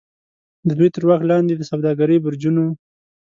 د دوی تر واک لاندې د سوداګرۍ برجونو.